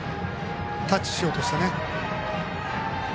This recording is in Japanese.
タッチしようとしてね。